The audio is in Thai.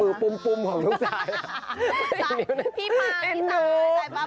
มือปุ้มของลูกจ่าย